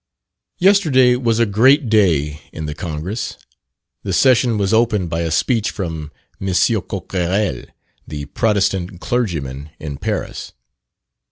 Yesterday was a great day in the Congress. The session was opened by a speech from M. Coquerel, the Protestant clergyman in Paris.